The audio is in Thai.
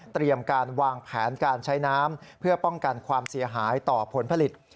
เตรียมการวางแผนการใช้น้ำเพื่อป้องกันความเสียหายต่อผลผลิต